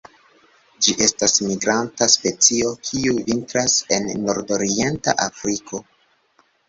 Ĝi estas migranta specio, kiu vintras en nordorienta Afriko.